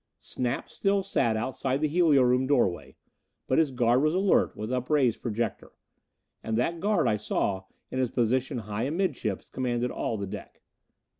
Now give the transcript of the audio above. Snap still sat outside the helio room doorway. But his guard was alert, with upraised projector. And that guard, I saw, in his position high amidships, commanded all the deck.